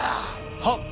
はっ。